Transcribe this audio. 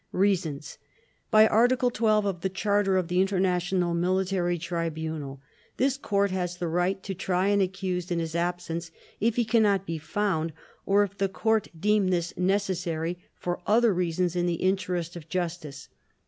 Reasons By Article 12 of the Charter of the International Military Tribunal this Court has the right to try an accused in his absence if he cannot be found, or if the Court deem this necessary for other reasons in the interest of justice.